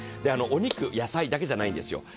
お肉、野菜たけじゃないんですよ。